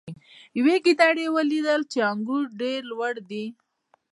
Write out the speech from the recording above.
یوې ګیدړې ولیدل چې انګور ډیر لوړ دي.